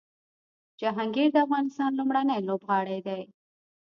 جهانګیر د افغانستان لومړنی لوبغاړی دی